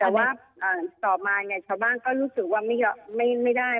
แต่ว่าต่อมาเนี่ยชาวบ้านก็รู้สึกว่าไม่ได้